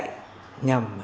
nhằm hình thành nhân cách